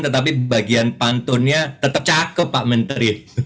tetapi bagian pantunnya tetap cakep pak menteri